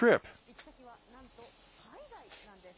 行き先はなんと海外なんです。